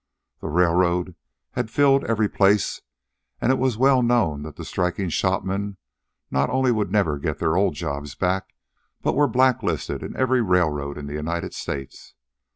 The railroad had filled every place, and it was well known that the striking shopmen not only would never get their old jobs back but were blacklisted in every railroad in the United States.